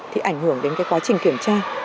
thì ảnh hưởng đến quá trình kiểm tra